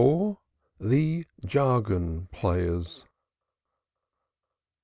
THE JARGON PLAYERS.